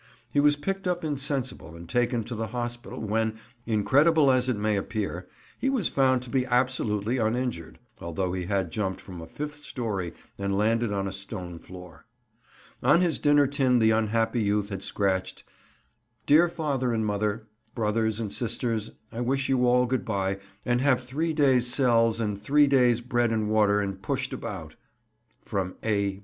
He was picked up insensible and taken to the hospital, when, incredible as it may appear, he was found to be absolutely uninjured, although he had jumped from a fifth storey and landed on a stone floor. On his dinner tin the unhappy youth had scratched, "Dear father and mother, brothers and sisters I wish you all good bye and have 3 days cells and 3 days bread and water and pushed about. From A.